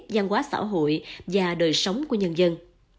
gian hóa xã hội và đời sống của nhân dân